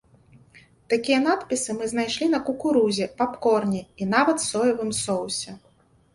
Такія надпісы мы знайшлі на кукурузе, папкорне і нават соевым соусе!